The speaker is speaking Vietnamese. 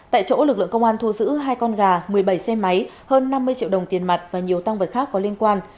tại chỗ lực lượng công an thu giữ hai con gà một mươi bảy xe máy hơn năm mươi triệu đồng tiền mặt và nhiều tăng vật khác có liên quan